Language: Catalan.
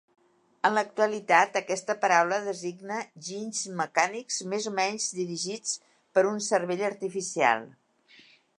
En l’actualitat aquesta paraula designa ginys mecànics més o menys dirigits per un cervell artificial.